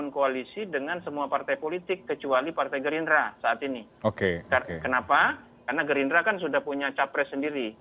kenapa karena gerindra kan sudah punya capres sendiri